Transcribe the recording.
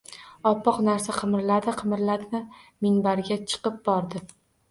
Oppoq narsa qimirladi-qimirladi — minbarga chiqib bordi.